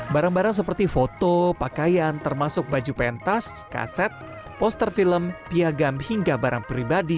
barang barang seperti foto pakaian termasuk baju pentas kaset poster film piagam hingga barang pribadi